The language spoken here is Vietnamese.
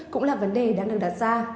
cũng là vấn đề đang được đặt ra